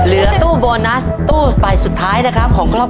เข้าสาร๑๐๐กิโลกรัมครับ